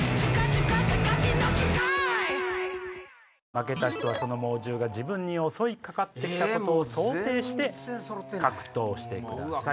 負けた人はその猛獣が自分に襲いかかってきたことを想定して格闘してください。